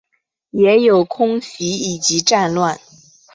也有空袭以及战乱